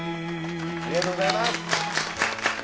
ありがとうございます。